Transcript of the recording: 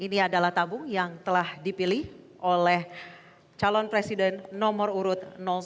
ini adalah tabung yang telah dipilih oleh calon presiden nomor urut satu